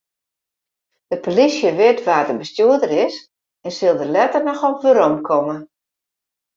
De plysje wit wa't de bestjoerder is en sil dêr letter noch op weromkomme.